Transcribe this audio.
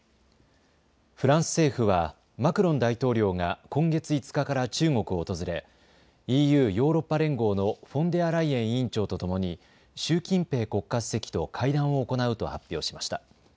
フランス政府はマクロン大統領が今月５日から中国を訪れＥＵ・ヨーロッパ連合のフォンデアライエン委員長とともに習近平国家主席と会談を行うと発表しました。